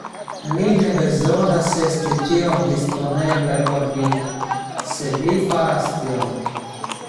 Li ne bezonas esti tiom disponebla por mi, sed li faras tion.